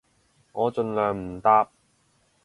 我盡量唔搭